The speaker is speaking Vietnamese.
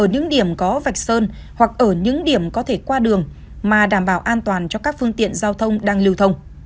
những điểm có vạch sơn hoặc ở những điểm có thể qua đường mà đảm bảo an toàn cho các phương tiện giao thông đang lưu thông